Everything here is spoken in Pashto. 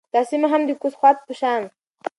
دا سیمه هم د کوز خوات په شان